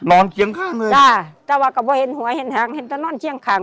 นอนเชี่ยงข้างเลยจ้าแต่ว่ากับว่าเห็นหัวเห็นหางเห็นแต่นอนเชี่ยงข่าง